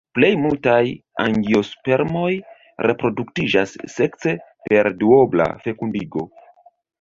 Plej multaj angiospermoj reproduktiĝas sekse per duobla fekundigo.